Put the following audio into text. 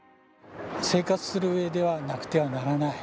生活するうえではなくてはならない。